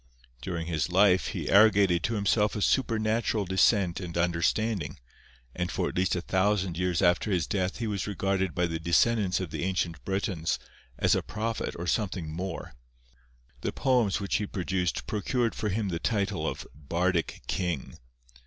During his life he arrogated to himself a supernatural descent and understanding, and for at least a thousand years after his death he was regarded by the descendants of the ancient Britons as a prophet or something more. The poems which he produced procured for him the title of "Bardic King."